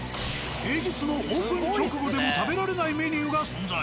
平日のオープン直後でも食べられないメニューが存在。